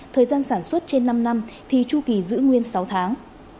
thời gian sản xuất trên năm năm thì chu kỳ giữ nguyên sáu tháng